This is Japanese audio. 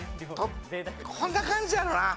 こんな感じやろな。